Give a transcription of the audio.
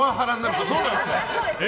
そうなんですか？